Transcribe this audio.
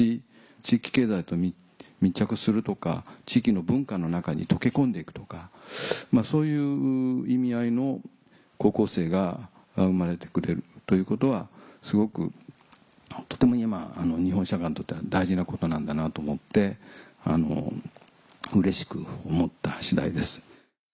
地域経済と密着するとか地域の文化の中に溶け込んで行くとかそういう意味合いの高校生が生まれてくれるということはすごく今日本社会にとっては大事なことなんだなと思ってうれしく思った次第です。